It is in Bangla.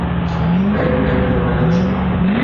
গায়ে পড়ে ঝামেলায় জড়াস না।